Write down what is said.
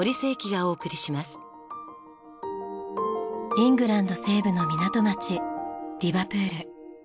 イングランド西部の港町リバプール。